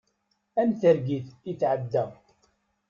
Am targit i tɛedda.